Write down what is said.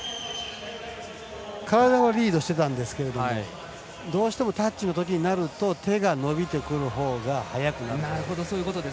体はリードしてたんですけどどうしてもタッチのときになると手が伸びてくるほうが速くなるので。